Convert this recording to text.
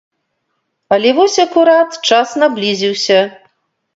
Але вось акурат час наблізіўся.